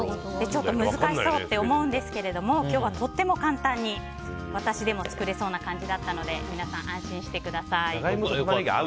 ちょっと難しそうって思うんですけれども今日はとても簡単に私でも作れそうな感じだったので皆さん、安心してください。